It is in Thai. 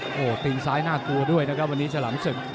โอ้โหตีนซ้ายน่ากลัวด้วยนะครับวันนี้ฉลามศึก